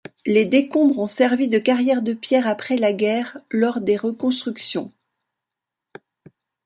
Les décombres ont servi de carrière de pierres après la guerre, lors des reconstructions.